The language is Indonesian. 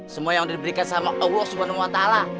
semua yang udah diberikan sama allah swt